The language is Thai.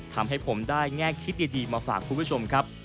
ทำให้ผมได้แง่คิดดีมาฝากคุณผู้ชมครับ